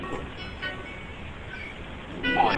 تاسو باید په خپلو ورځنیو کارونو کې د پاکوالي اصول مراعات کړئ.